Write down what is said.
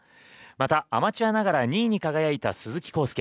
また、アマチュアながら２位に輝いた鈴木晃祐。